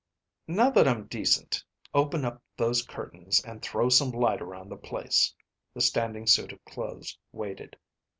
"Now that I'm decent, open up those curtains and throw some light around the place." The standing suit of clothes waited.